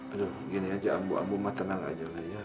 aduh gini aja ambu ambu matenang aja lah ya